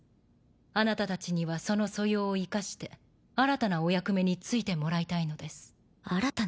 あなたたちにはその素養を生かして新たなお役目に就いてもらいたいのです。